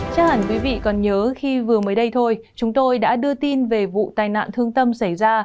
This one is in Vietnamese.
chắc hẳn quý vị còn nhớ khi vừa mới đây thôi chúng tôi đã đưa tin về vụ tai nạn thương tâm xảy ra